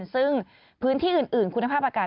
ซึ่งพื้นที่อื่นคุณภาพอากาศ